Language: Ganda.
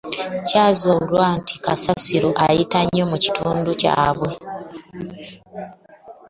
Kyazuula nti kasasiro ayita nnyo mu kitundu kyabwe